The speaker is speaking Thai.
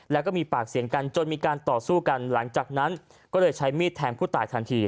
แล้วก็มีปากเสียงกันจนมีการต่อสู้กันหลังจากนั้นก็เลยใช้มีดแทงผู้ตายทันที